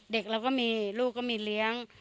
เด็กเราก็มีลูกก็มีเลี้ยง